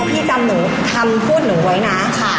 พี่จำหนูคำพูดหนูไว้นะ